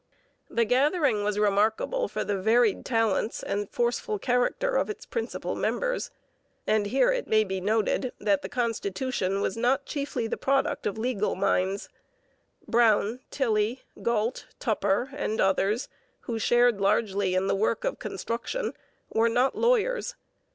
The gathering was remarkable for the varied talents and forceful character of its principal members. And here it may be noted that the constitution was not chiefly the product of legal minds. Brown, Tilley, Galt, Tupper, and others who shared largely in the work of construction were not lawyers.